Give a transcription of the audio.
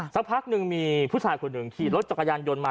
สักพักหนึ่งมีผู้ชายคนหนึ่งขี่รถจักรยานยนต์มา